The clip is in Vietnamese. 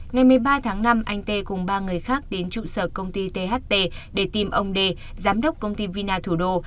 ngày một mươi ba tháng năm anh tê cùng ba người khác đến trụ sở công ty tht để tìm ông đê giám đốc công ty vina thủ đô